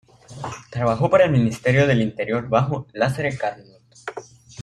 Trabajó para el Ministerio del Interior bajo Lazare Carnot.